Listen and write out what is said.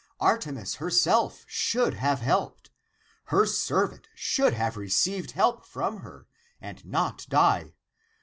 Arte mis herself should have helped. Her servant should have received help from her and not die.